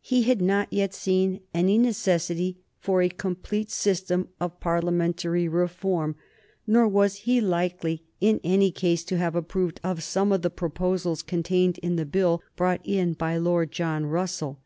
He had not yet seen any necessity for a complete system of Parliamentary reform, nor was he likely, in any case, to have approved of some of the proposals contained in the Bill brought in by Lord John Russell.